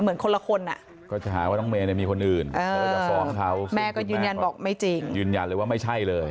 เหมือนคนละคนก็จะหาว่าน้องเมมีคนอื่นแม่ก็ยืนยันบอกไม่จริงยืนยันเลยว่าไม่ใช่เลย